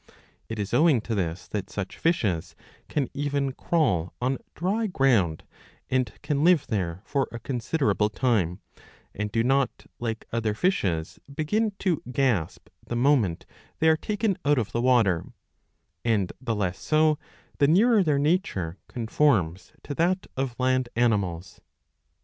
It is owing to this that such fishes can even crawl on dry ground, and can live there for a considerable time; and do not, like other fishes, begin to gasp the moment they are taken out of the water ; and the less so, the nearer their nature conforms to that of land animals.